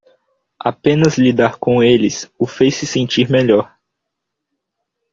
Apenas lidar com eles o fez se sentir melhor.